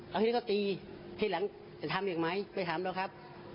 เอาที่นี่ก็ตีทีหลังจะทำอีกไหมไม่ถามแล้วครับ